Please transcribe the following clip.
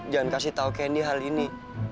jangan kasih tahu kendi hal ini